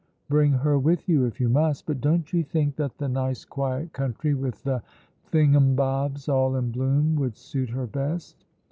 Bring her with you if you must; but don't you think that the nice, quiet country with the thingumbobs all in bloom would suit her best?